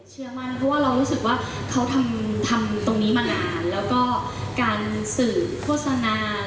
เชื่อมั่นเพราะว่าเรารู้สึกว่าเขาทำตรงนี้มานาน